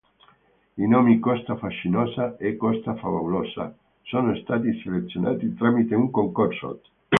I nomi "Costa Fascinosa" e Costa Favolosa sono stati selezionati tramite un concorso.